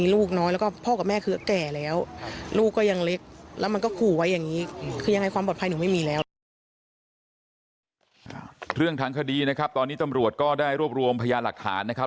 เรื่องทางคดีนะครับตอนนี้ตำรวจก็ได้รวบรวมพยานหลักฐานนะครับ